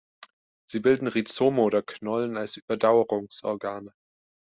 Sie bilden Rhizome oder Knollen als Überdauerungsorgane.